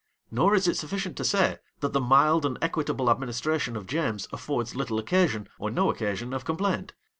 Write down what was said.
Nor is it sufficient to say, that the mild and equitable administration of James affords little occasion, or no occasion, of complaint.